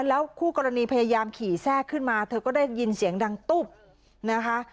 แล้วคู่กรณีพยายามขี่แทรกขึ้นมาเธอก็ได้ยินเสียงดังตุ๊บนะคะ